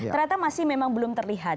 ternyata masih memang belum terlihat